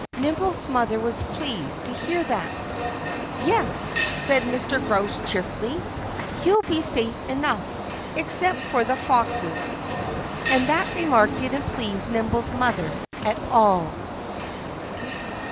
Nimble's mother was pleased to hear that. "Yes!" said Mr. Grouse cheerfully. "He'll be safe enough except for the Foxes." And that remark didn't please Nimble's mother at all.